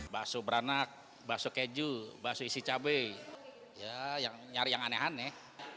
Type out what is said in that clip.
bakso beranak bakso keju bakso isi cabai yang nyari yang aneh aneh